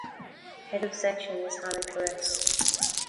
Head of Section is Hannah Carress.